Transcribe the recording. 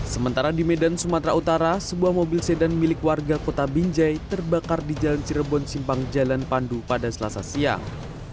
sementara di medan sumatera utara sebuah mobil sedan milik warga kota binjai terbakar di jalan cirebon simpang jalan pandu pada selasa siang